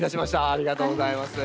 ありがとうございます。